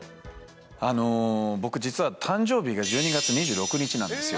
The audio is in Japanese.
僕、実は誕生日が１２月２６日なんですよ。